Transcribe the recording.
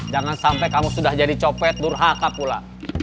jangan sampai kamu sudah jadi copet nurhaka pula